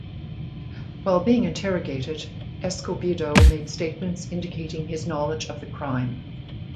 While being interrogated, Escobedo made statements indicating his knowledge of the crime.